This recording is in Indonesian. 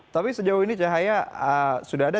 tapi sejauh ini cahaya sudah ada